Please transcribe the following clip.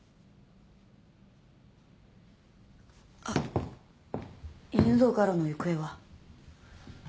あっ犬堂我路の行方は？